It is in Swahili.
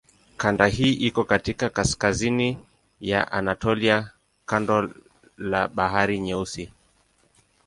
Kanda hii iko katika kaskazini ya Anatolia kando la Bahari Nyeusi.